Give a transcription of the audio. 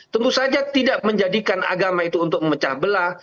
kita tidak menjadikan agama itu untuk memecah belah